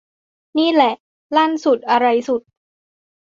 นี่แหละ ลั่นสุดอะไรสุด